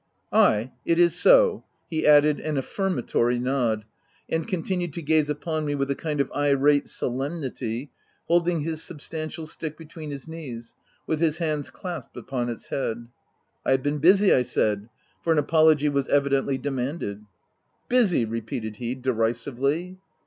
"Ay! It is so!'' He added an affirmatory nod, and continued to gaze upon me with a kind of irate solemnity, holding his substantial stick between his knees, with his hands clasped upon its head. K 2 196 THE TENANT " I have been busy/' I said, for an apology was evidently demanded, " Busy !" repeated he derisively.